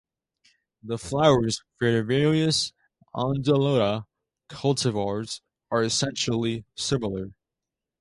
The flowers for the various 'Undulata' cultivars are essentially similar.